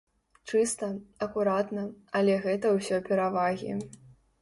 Чыста, акуратна, але гэта ўсё перавагі.